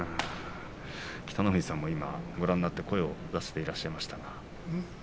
北の富士さんもご覧になって声を出していました。